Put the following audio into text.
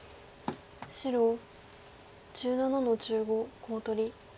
白１７の十五コウ取り。